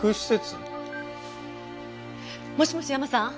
もしもし山さん？